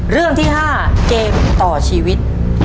เรื่องที่๕เกมต่อชีวิต